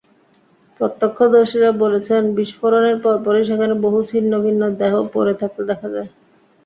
প্রত্যক্ষদর্শীরা বলেছেন, বিস্ফোরণের পরপরই সেখানে বহু ছিন্নভিন্ন দেহ পড়ে থাকতে দেখা যায়।